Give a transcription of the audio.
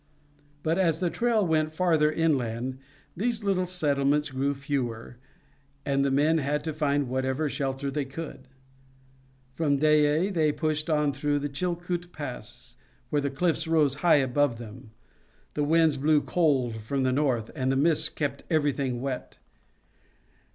But as the trail went farther inland these little settlements grew fewer, and the men had to find whatever shelter they could. From Dyea they pushed on through the Chilkoot Pass, where the cliffs rose high above them. The winds blew cold from the north, and the mists kept everything wet.